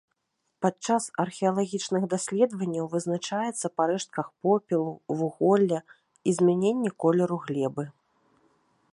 Падчас археалагічных даследаванняў вызначаецца па рэштках попелу, вуголля і змяненні колеру глебы.